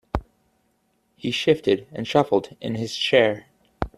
He shifted and shuffled in his chair.